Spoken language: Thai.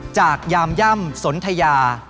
ยามย่ำสนทยา